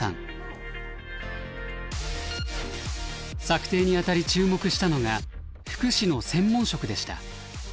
策定にあたり注目したのが福祉の専門職でした。